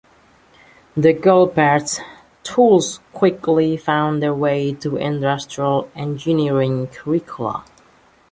The Gilbreths' tools quickly found their way into industrial engineering curricula.